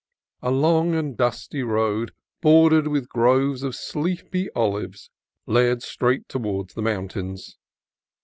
A long and dusty road bordered with groves of sleepy olives led straight toward the mountains.